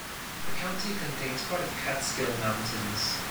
The county contains part of the Catskill Mountains.